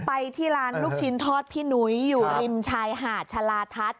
ไปที่ร้านลูกชิ้นทอดพี่นุ้ยอยู่ริมชายหาดชาลาทัศน์